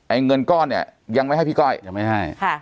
เงินก้อนเนี่ยยังไม่ให้พี่ก้อยยังไม่ให้